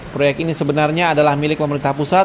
proyek ini sebenarnya adalah milik pemerintah pusat